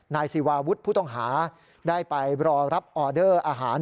นายศิวาวุฒิผู้ต้องหาได้ไปรอรับออเดอร์อาหาร